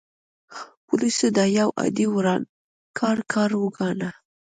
پولیسو دا یو عادي ورانکار کار وګاڼه.